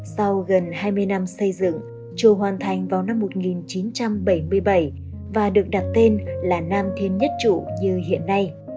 sau gần hai mươi năm xây dựng chùa hoàn thành vào năm một nghìn chín trăm bảy mươi bảy và được đặt tên là nam thiên nhất trụ như hiện nay